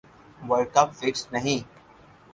world Cup fixed نہی